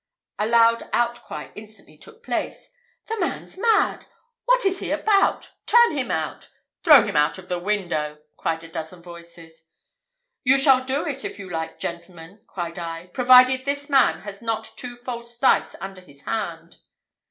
A loud outcry instantly took place; "The man's mad!" "What is he about?" "Turn him out!" "Throw him out of the window!" cried a dozen voices. "You shall do it, if you like, gentlemen," cried I, "provided this man has not two false dice under his hand."